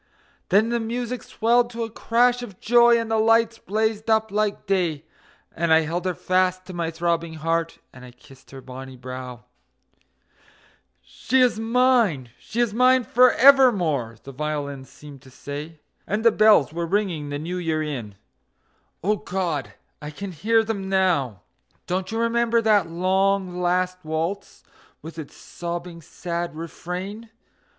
Then the music swelled to a crash of joy, and the lights blazed up like day, And I held her fast to my throbbing heart, and I kissed her bonny brow. "She is mine, she is mine for evermore!" the violins seemed to say, And the bells were ringing the New Year in O God! I can hear them now. Don't you remember that long, last waltz, with its sobbing, sad refrain?